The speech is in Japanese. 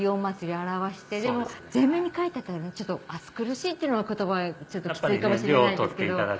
でも全面に描いてたらちょっと暑苦しいっていうのは言葉ちょっとキツいかもしれないですけど。